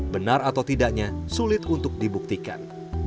benar atau tidaknya sulit untuk dibuktikan